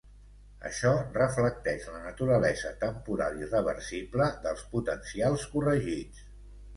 Això reflecteix la naturalesa temporal i reversible dels potencials corregits.